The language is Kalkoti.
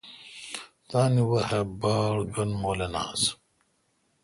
تان وحاؘ باڑ گین مولن آس۔